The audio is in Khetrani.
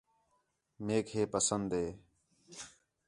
میک ہے پسند ہے